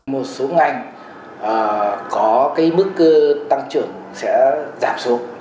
một số ngành có cái mức tăng trưởng sẽ giảm xuống